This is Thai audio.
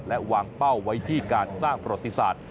และวางเป้าไว้ที่การสร้างประวัติศาสตร์